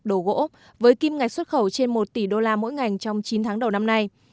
đồ gỗ với kim ngạch xuất khẩu trên một tỷ đô la mỗi ngành trong chín tháng đầu năm nay